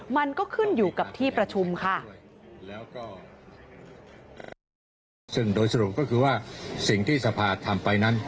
มันก็ขึ้นอยู่กับที่ประชุมค่ะ